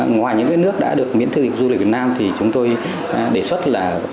ngoài những nước đã được miễn thư dịch du lịch việt nam thì chúng tôi đề xuất là